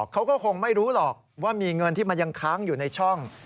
เขาก็คงไม่รู้หรอกว่ามีเงินที่มันยังค้างอยู่ในช่อง